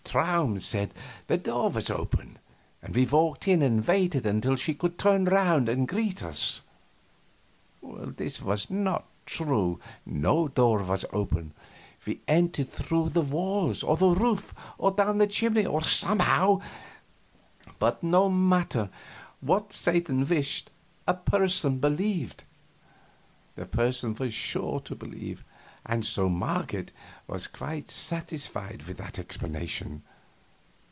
Traum said the door was open, and we walked in and waited until she should turn around and greet us. This was not true; no door was open; we entered through the walls or the roof or down the chimney, or somehow; but no matter, what Satan wished a person to believe, the person was sure to believe, and so Marget was quite satisfied with that explanation.